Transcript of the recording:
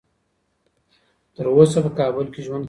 تر اوسه په کابل کې ژوند کوي.